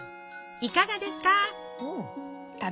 いかがですか？